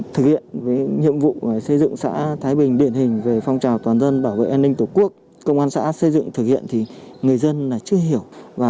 thực hiện nhiệm vụ xây dựng xã thái bình điển hình về phong trào toàn dân bảo vệ an ninh tổ quốc công an xã xây dựng thực hiện thì người dân chưa hiểu